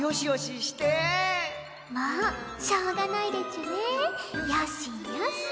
もうしょうがないでちゅねよしよし。